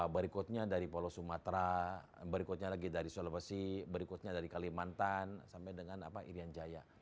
berikutnya dari pulau sumatera berikutnya lagi dari sulawesi berikutnya dari kalimantan sampai dengan irian jaya